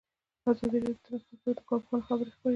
ازادي راډیو د ترانسپورټ په اړه د کارپوهانو خبرې خپرې کړي.